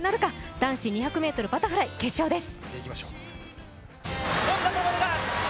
男子２００ｍバタフライ決勝です。